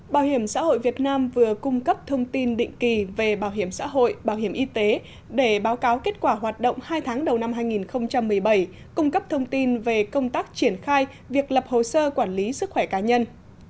bảo hiểm xã hội việt nam vừa cung cấp thông tin định kỳ về bảo hiểm xã hội bảo hiểm y tế để báo cáo kết quả hoạt động hai tháng đầu năm hai nghìn một mươi bảy cung cấp thông tin về công tác triển khai việc lập hồ sơ quản lý sức khỏe cá nhân